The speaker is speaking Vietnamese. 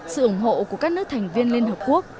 sự ủng hộ của các nước thành viên liên hợp quốc